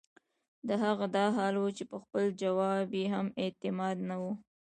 د هغه دا حال وۀ چې پۀ خپل جواب ئې هم اعتماد نۀ وۀ